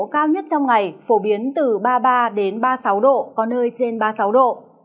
cao nhất trong ngày phổ biến từ ba mươi ba ba mươi sáu độ có nơi trên ba mươi sáu độ